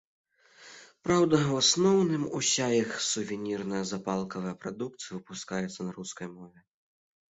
Праўда, у асноўным уся іх сувенірная запалкавая прадукцыя выпускаецца на рускай мове.